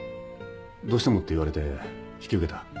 どうしてもって言われて引き受けた。